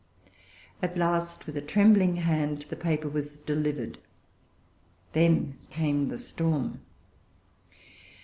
At last with a trembling hand the paper was delivered. Then came the storm.